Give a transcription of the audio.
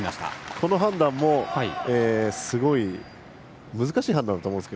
この判断もすごい難しい判断だと思います。